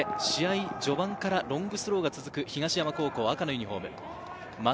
試合序盤からロングスローが続く東山高校・赤のユニホーム。